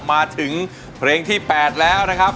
มาถึงเพลงที่๘แล้วนะครับ